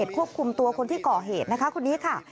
ควบคุมตัวคนที่เกาะเหตุคนนี้ค่ะ